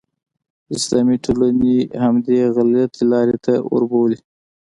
اسلامي ټولنې همدې غلطې لارې ته وربولي.